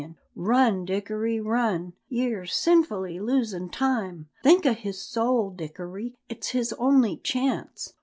Run, Dickory, run! Ye're sinfully losin' time. Think o' his soul, Dickory; it's his only chance!"